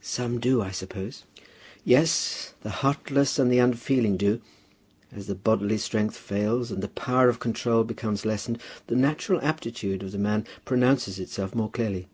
"Some do, I suppose." "Yes; the heartless and unfeeling do. As the bodily strength fails and the power of control becomes lessened, the natural aptitude of the man pronounces itself more clearly.